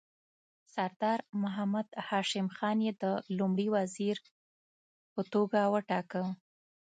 سردار محمد هاشم خان یې د لومړي وزیر په توګه وټاکه.